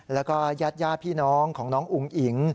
แล้วก็ญาติพี่น้องของน้องอุ๋งอิ๋ง